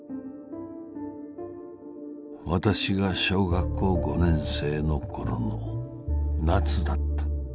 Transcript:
「私が小学校五年生のころの夏だった。